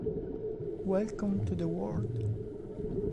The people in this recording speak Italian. Welcome to the World